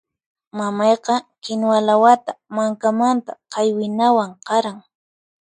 Mamayqa kinuwa lawata mankamanta qaywinawan qaran.